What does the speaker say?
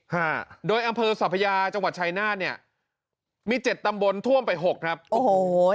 ฮะโดยอำเภอสัพยาจังหวัดชายนาฏเนี่ยมีเจ็ดตำบลท่วมไปหกครับโอ้โห